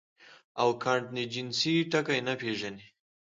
او کانټنجنسي ټکے نۀ پېژني -